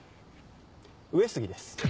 上杉です